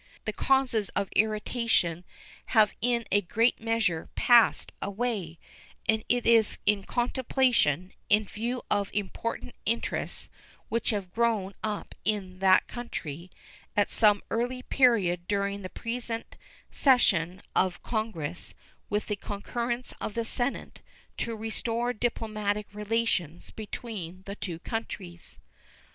The causes of irritation have in a great measure passed away, and it is in contemplation, in view of important interests which have grown up in that country, at some early period during the present session of Congress, with the concurrence of the Senate, to restore diplomatic relations between the two countries.